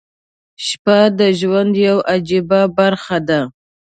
• شپه د ژوند یوه عجیبه برخه ده.